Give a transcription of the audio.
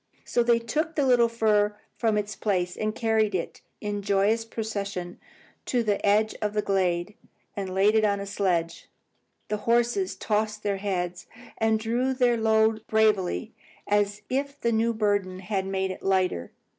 So they took the little fir from its place, and carried it in joyous procession to the edge of the glade, and laid it on the sledge. The horses tossed their heads and drew their load bravely, as if the new burden had made it lighter.